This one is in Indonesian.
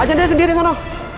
ajar dia sendiri sana